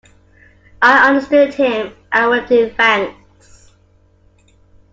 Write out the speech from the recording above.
I understood him and waved in thanks.